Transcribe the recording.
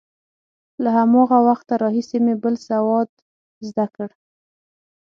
له هماغه وخته راهیسې مې بل سواد زده کړ.